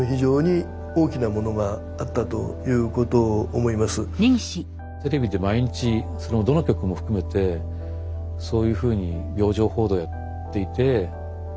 みんながテレビで毎日どの局も含めてそういうふうに病状報道をやっているとですね